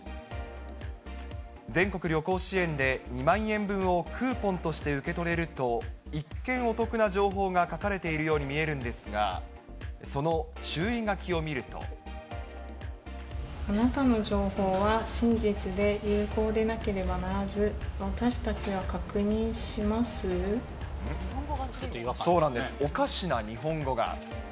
全国旅行支援で２万円分をクーポンとして受け取れると、一見お得な情報が書かれているように見えるんですが、その注意書きを見るあなたの情報は真実で有効でなければならず、そうなんです、おかしな日本語が。